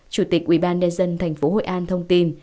chủ tịch ubnd tp hội an thông tin